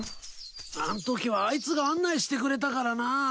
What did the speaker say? あんときはあいつが案内してくれたからな。